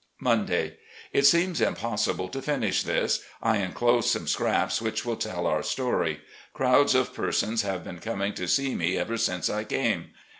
{Monday.) It seems impossible to finish this — I inclose some scraps which will tell our story. Crowds of persons have been coming to see me ever since I came.